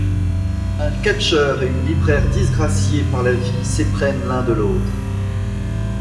Un catcheur et une libraire disgraciés par la vie s'éprennent l'un de l'autre.